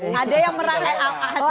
ada yang merangkul